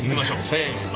せの。